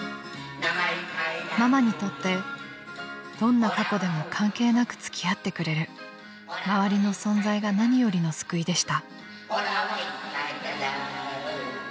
［ママにとってどんな過去でも関係なく付き合ってくれる周りの存在が何よりの救いでした］